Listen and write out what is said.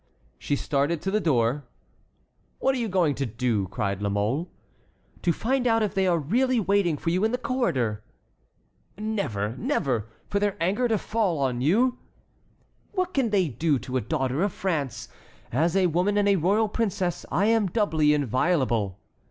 She started to the door. "What are you going to do?" cried La Mole. "To find out if they are really waiting for you in the corridor." "Never! never! For their anger to fall on you?" "What can they do to a daughter of France? As a woman and a royal princess I am doubly inviolable."